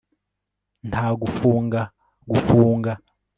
Nta gufunga gufunga